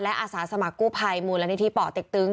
และอาสาสมกุภัยมูลนิธิป่อเต็กตึง